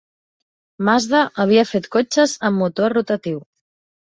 Mazda havia fet cotxes amb motor rotatiu.